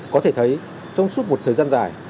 có thể thấy trong suốt một thời gian dài